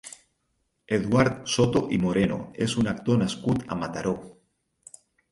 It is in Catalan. Eduard Soto i Moreno és un actor nascut a Mataró.